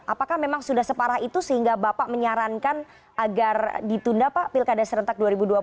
apakah memang sudah separah itu sehingga bapak menyarankan agar ditunda pak